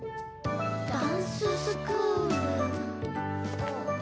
「ダンススクール」。